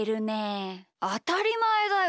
あたりまえだよ。